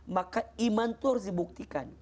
maka iman itu harus dibuktikan